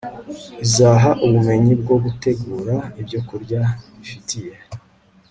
izaha ubumenyi bwo gutegura ibyokurya bifitiye